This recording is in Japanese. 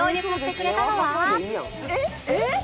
「えっ！えっ！」